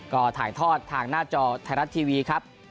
ก็ถ่ายทอดทางหน้าจอไทยรัฐทีวีครับ